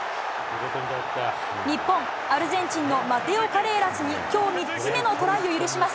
日本、アルゼンチンのマテオ・カレーラスに、きょう３つ目のトライを許します。